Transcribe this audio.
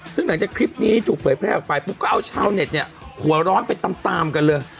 ซึ่งหลังจากคลิปนี้ถูกเปิดแพร่แบบไฟพวกก็เอาชาวเน็ตหัวร้อนไปตามกันเลย